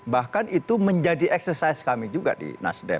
bahkan itu menjadi eksersis kami juga di nasdem